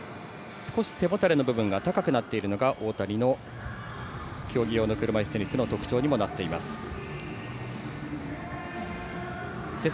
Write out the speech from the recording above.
少し背もたれの部分が高くなっているのが大谷の競技用の車いすの特徴になっています。